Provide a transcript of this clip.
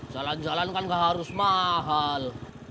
jalan jalan kan nggak harus mahal